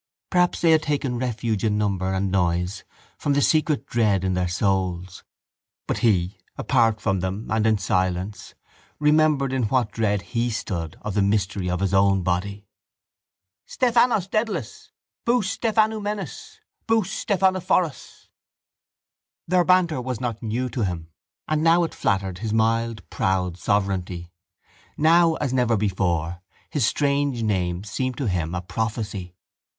Perhaps they had taken refuge in number and noise from the secret dread in their souls. But he, apart from them and in silence, remembered in what dread he stood of the mystery of his own body. —Stephanos Dedalos! Bous Stephanoumenos! Bous Stephaneforos! Their banter was not new to him and now it flattered his mild proud sovereignty. Now, as never before, his strange name seemed to him a prophecy.